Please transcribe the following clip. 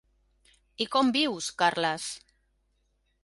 I com vius, Carles?